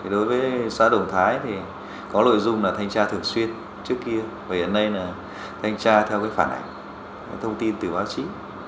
đối với xã đồng thái thì có nội dung là thanh tra thường xuyên trước kia và hiện nay là thanh tra theo phản ảnh thông tin từ báo chí